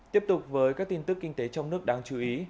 tiếp tục với các tin tức kinh tế trong nước đáng chú ý